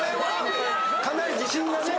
かなり自信がね。